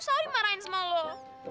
selalu dimarahin sama lo